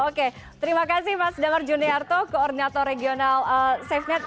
oke terima kasih mas damar juniarto koordinator regional safenet